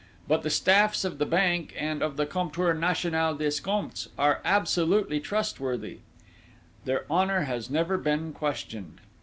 But the staffs of the bank and of the Comptoir National d'Escomptes are absolutely trustworthy: their honour has never been questioned.